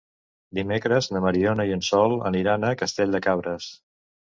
Dimecres na Mariona i en Sol aniran a Castell de Cabres.